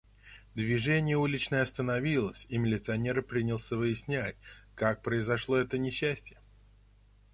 Движение уличное остановилось и милиционер принялся выяснять, как произошло это несчастье.